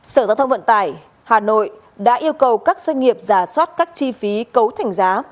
sở giao thông vận tải hà nội đã yêu cầu các doanh nghiệp giả soát các chi phí cấu thành giá